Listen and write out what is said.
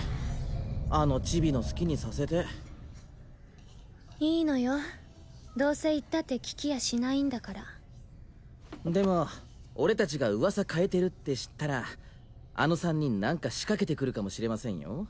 あのチビの好きにさせていいのよどうせ言ったって聞きやしないんだからでも俺達が噂変えてるって知ったらあの３人何か仕掛けてくるかもしれませんよ